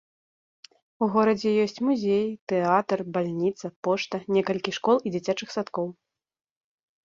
У горадзе ёсць музей, тэатр, бальніца, пошта, некалькі школ і дзіцячых садкоў.